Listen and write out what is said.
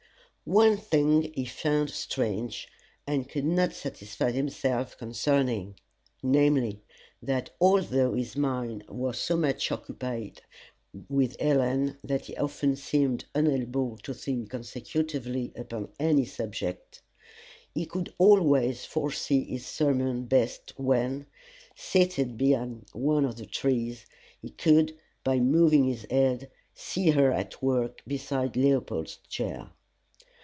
One thing he found strange, and could not satisfy himself concerning, namely, that although his mind was so much occupied with Helen that he often seemed unable to think consecutively upon any subject, he could always foresee his sermon best when, seated behind one of the trees, he could by moving his head see her at work beside Leopold's chair.